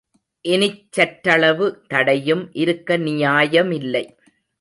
இனிச் சற்றளவு தடையும் இருக்க நியாயமில்லை.